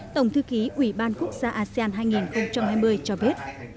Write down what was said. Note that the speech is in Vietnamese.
tổng thư ký ủy ban quốc gia asean hai nghìn hai mươi cho biết